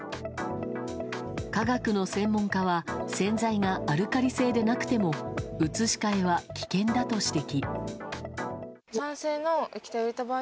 化学の専門家は洗剤がアルカリ性でなくても移し替えは危険だと指摘。